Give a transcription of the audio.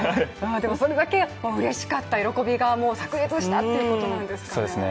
それだけうれしかった、喜びがさく裂したっていうことなんですかね。